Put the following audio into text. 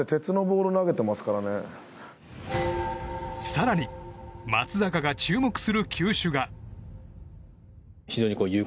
更に松坂が注目する球種が。